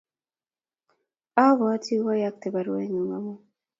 Abwati kyayokte baruengung amut